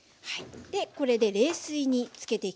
これで冷水につけていきます。